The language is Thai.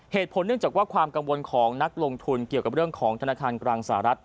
เหตุผลเนื่องจากว่าความกังวลของนักลงทุนเกี่ยวกับเรื่องของธนาคารกลางสหรัฐ